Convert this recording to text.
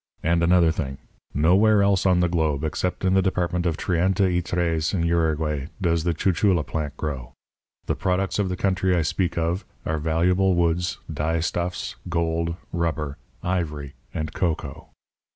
And, another thing nowhere else on the globe except in the department of Trienta y tres in Uruguay does the chuchula plant grow. The products of the country I speak of are valuable woods, dyestuffs, gold, rubber, ivory, and cocoa."